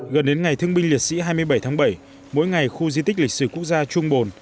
gần đến ngày thương binh liệt sĩ hai mươi bảy tháng bảy mỗi ngày khu di tích lịch sử quốc gia trung bồn